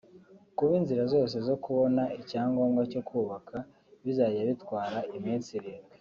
Kuba inzira zose zo kubona icyangombwa cyo kubaka bizajya bitwara iminsi irindwi